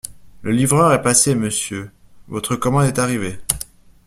Le livreur est passé, monsieur, votre commande est arrivée.